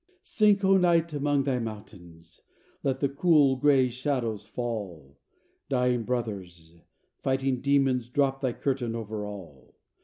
Sink, O night, among thy mountains! let the cool gray shadows fall; Dying brothers, fighting demons, drop thy curtain over all!